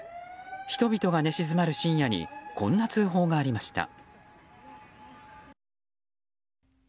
人々が寝静まる深夜にこんな通報がありました。